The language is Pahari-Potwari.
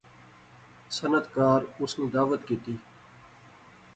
صنعتکار اس نی دعوت کیتی